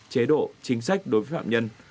chế độ chính sách đối với phạm nhân